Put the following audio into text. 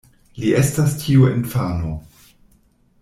Li estas tiu infano.